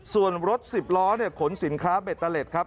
ส่วนรถสิบล้อขนสินค้าเบ็ดตะเล็ดครับ